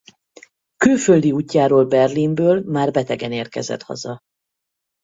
Külföldi útjáról Berlinből már betegen érkezett haza.